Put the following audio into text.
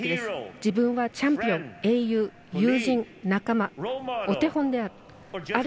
自分はチャンピオン英雄、友人、仲間お手本であると。